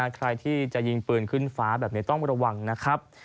ใครที่จะยิงปืนขึ้นฟ้าแบบนี้ต้องระวังนะครับ